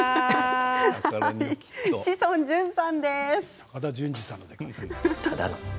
そう、志尊淳さんです。